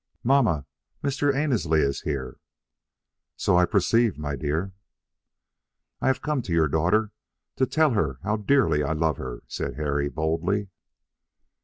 "Mamma, Mr. Annesley is here." "So I perceive, my dear." "I have come to your daughter to tell her how dearly I love her," said Harry, boldly.